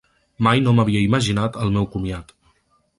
Mai no m’havia imaginat el meu comiat.